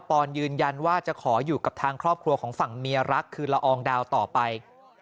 ออนยืนยันว่าจะขออยู่กับทางครอบครัวของฝั่งเมียรักคือละอองดาวต่อไป